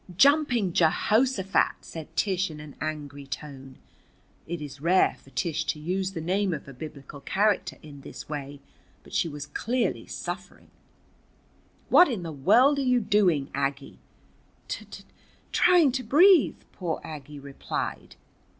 "Jumping Jehoshaphat!" said Tish in an angry tone. It is rare for Tish to use the name of a Biblical character in this way, but she was clearly suffering. "What in the world are you doing, Aggie?" "T t trying to breathe," poor Aggie replied.